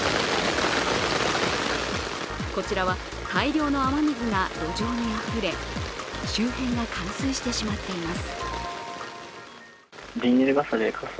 こちらは大量の雨水が路上にあふれ、周辺が冠水してしまっています。